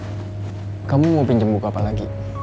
misal kamu mau pinjem buku apa lagi